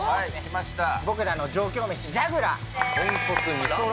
僕らの上京メシ、じゃぐら。